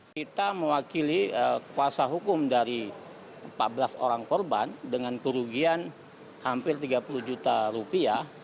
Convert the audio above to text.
kita mewakili kuasa hukum dari empat belas orang korban dengan kerugian hampir tiga puluh juta rupiah